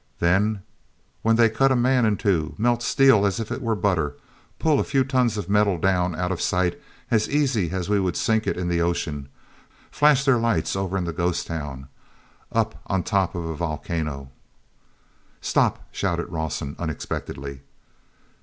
"Then, when they cut a man in two, melt steel as if it were butter, pull a few tons of metal down out of sight as easy as we would sink it in the ocean, flash their lights over in the ghost town, up on top of a volcano—" "Stop!" shouted Rawson unexpectedly.